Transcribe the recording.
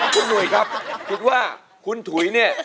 คุณหนุ่ยครับคิดว่าคุณถุยเนี่ย